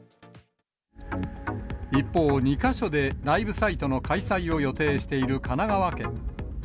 一方、２か所でライブサイトの開催を予定している神奈川県。